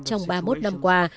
trong ba mươi một năm qua